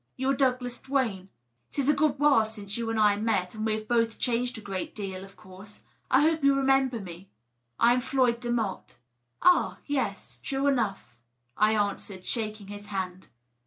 You are Douglas Duane. It is a good while since you and I met, and we have both changed a great deal, of course. I hope, however, you remember me. I am Floyd Demotte." "Ah, yes ; true enough," I answered, taking his hand.